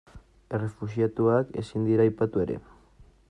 Errefuxiatuak ezin dira aipatu ere.